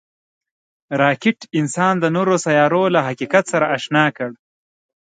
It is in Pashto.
راکټ انسان د نورو سیارو له حقیقت سره اشنا کړ